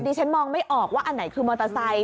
ฉันมองไม่ออกว่าอันไหนคือมอเตอร์ไซค